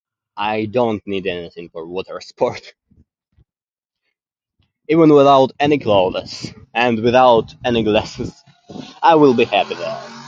I don't need anything for water sport. Even without any clothes, and without any glasses, I will be happy there.